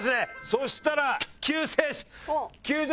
そしたら救世主！